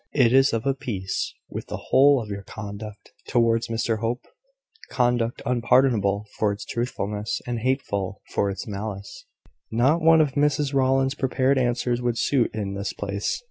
It is of a piece with the whole of your conduct, towards Mr Hope conduct unpardonable for its untruthfulness, and hateful for its malice." Not one of Mrs Rowland's prepared answers would suit in this place.